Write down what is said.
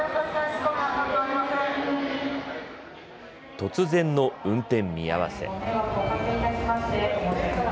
突然の運転見合わせ。